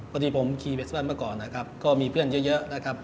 พอดีผมขี่เวสวันเมื่อก่อนนะครับก็มีเพื่อนเยอะนะครับ